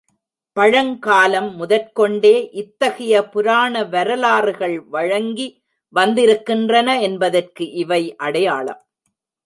பழங்காலம் முதற்கொண்டே இத்தகைய புராண வரலாறுகள் வழங்கி வந்திருக்கின்றன என்பதற்கு இவை அடையாளம்.